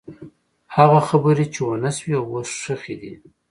هغه خبرې چې ونه شوې، اوس ښخې دي.